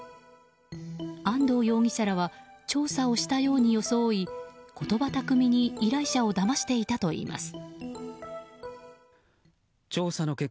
安藤容疑者らは調査をしたように装い言葉巧みに依頼者をだましていたといいます。